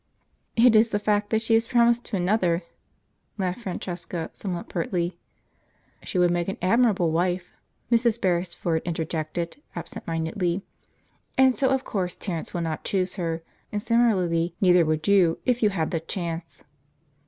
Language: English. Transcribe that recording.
"It is the fact that she is promised to another," laughed Francesca somewhat pertly. "She would make an admirable wife," Mrs. Beresford interjected absent mindedly; "and so of course Terence will not choose her, and similarly neither would you, if you had the chance."